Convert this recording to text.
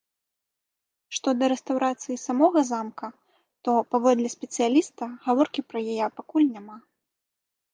Што да рэстаўрацыі самога замка, то, паводле спецыяліста, гаворкі пра яе пакуль няма.